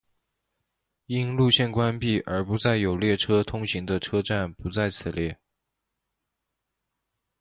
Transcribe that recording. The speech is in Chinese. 因线路关闭而不再有列车通行的车站不在此列。